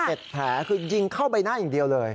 แผลคือยิงเข้าใบหน้าอย่างเดียวเลย